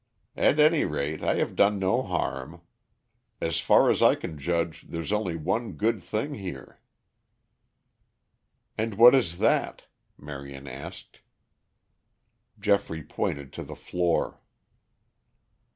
At any rate I have done no harm. As far as I can judge there's only one good thing here." "And what is that?" Marion asked. Geoffrey pointed to the floor.